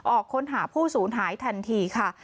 ออกค้นหาผู้สูญหายทันทีค่ะ